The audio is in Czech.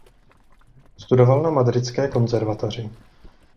Studoval na madridské konzervatoři.